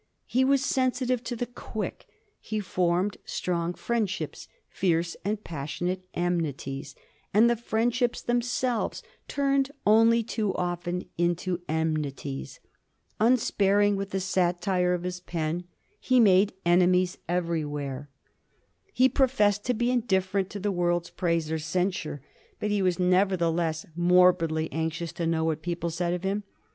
He was sensitive to the quick ; he formed strong friendships, fierce and passionate enmities ; and the friendships themselves turned only too often into enmities. Unsparing with the satire of his pen, he made enemies everywhere. He professed to be indifferent to the world's praise or censure, but he was nevertheless morbidly anxious to know what people said of him.